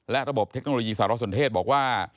และระบบเทคโนโลยีสารสนเทศบอกว่า